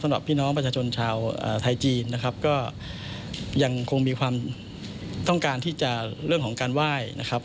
สำหรับพี่น้องประชาชนชาวไทยจีนนะครับก็ยังคงมีความต้องการที่จะเรื่องของการไหว้นะครับ